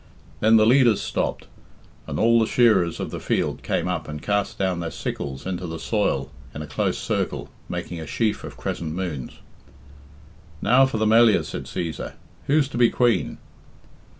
Then the leaders stopped, and all the shearers of the field came up and cast down their sickles into the soil in a close circle, making a sheaf of crescent moons. "Now for the Melliah," said Cæsar. "Who's to be Queen?"